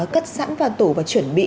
cất sẵn vào tủ và chuẩn bị